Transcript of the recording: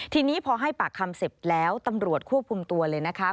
ทีนี้พอให้ปากคำเสร็จแล้วตำรวจควบคุมตัวเลยนะคะ